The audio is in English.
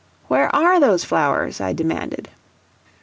"Where are those flowers?" I demanded.